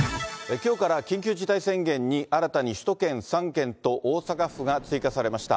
きょうから、緊急事態宣言に新たに首都圏３県と、大阪府が追加されました。